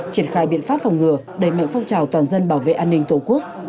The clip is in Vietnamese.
triển khai biện pháp phòng ngừa đẩy mạnh phong trào toàn dân bảo vệ an ninh tổ quốc